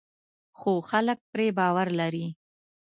خو خلک پرې باور لري.